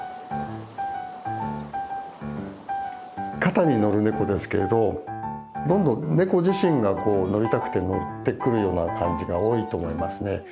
肩に乗るネコですけれどどんどんネコ自身が乗りたくて乗ってくるような感じが多いと思いますね。